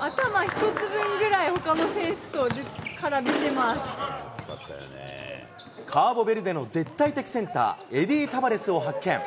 頭一つ分ぐらい、カーボベルデの絶対的センター、エディ・タバレスを発見。